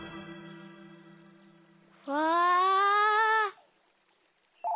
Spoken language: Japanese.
わあ！